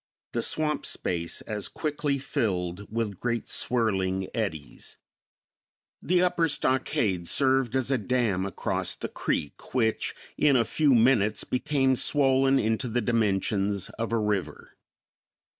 The swamp space as quickly filled with great swirling eddies. The upper stockade served as a dam across the creek, which in a few minutes became swollen into the dimensions of a river.